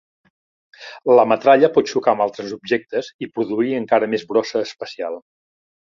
La metralla pot xocar amb altres objectes i produir encara més brossa espacial.